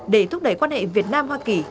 để thúc đẩy quan hệ việt nam hoa kỳ